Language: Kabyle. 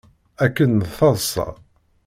Akken d taḍsa!